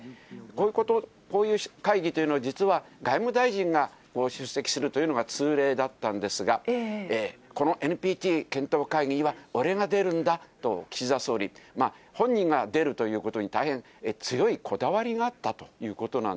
こういう会議というのは、実は外務大臣が出席するというのが通例だったんですが、このＮＰＴ検討会議には俺が出るんだと、岸田総理、本人が出るということに、大変強いこだわりがあったということな